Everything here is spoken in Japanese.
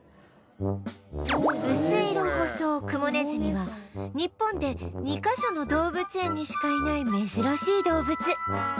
ウスイロホソオクモネズミは日本で２カ所の動物園にしかいない珍しい動物